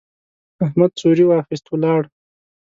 احمد څوری واخيست، ولاړ.